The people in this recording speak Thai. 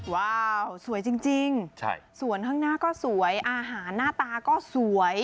ว้าวสวยจริงส่วนข้างหน้าก็สวยอาหารหน้าตาก็สวย